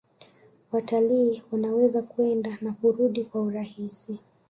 Watalii wanaweza kwenda na kurudi kwa urahisi